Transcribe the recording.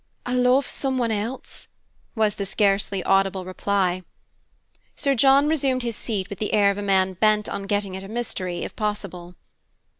"I love someone else" was the scarcely audible reply. Sir John resumed his seat with the air of a man bent on getting at a mystery, if possible.